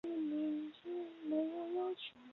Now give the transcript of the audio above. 该党的总部位于雷克雅未克。